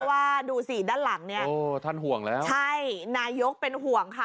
ว่าดูสิด้านหลังเนี่ยโอ้ท่านห่วงแล้วใช่นายกเป็นห่วงค่ะ